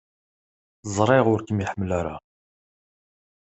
Ẓriɣ ur kem-iḥemmel ara.